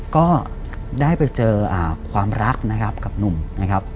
ก็ได้ไปเจอความรักนะครับกับหนุ่มนะครับ